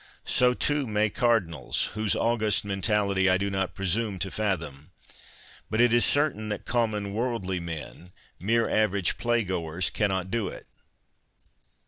So, too, may cardinals, whose august mentality I do not presume to fathom. But it is certain that common worldly men, mere average playgoers, cannot do it.